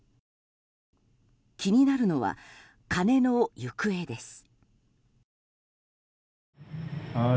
気になるのは金の行方です。